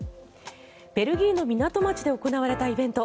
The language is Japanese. ベルギーの港町で行われたイベント。